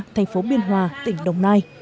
thành phố biên hòa tỉnh đồng nai